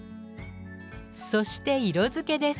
そして色づけです。